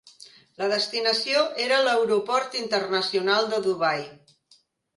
La destinació era l'Aeroport Internacional de Dubai.